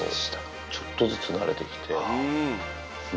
ちょっとずつ慣れてきて。